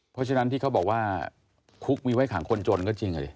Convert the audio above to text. เพราะฉะนั้นที่เขาบอกว่าคุกมีไว้ขังคนจนก็จริงอ่ะสิ